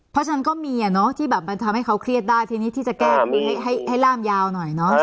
เพราะฉะนั้นก็มีที่แบบมันทำให้เขาเครียดได้ทีนี้ที่จะแก้คือให้ร่ามยาวหน่อยเนอะ